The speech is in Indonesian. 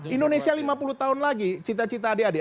indonesia lima puluh tahun lagi cita cita adik adik